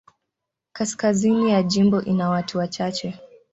Kaskazini ya jimbo ina watu wachache.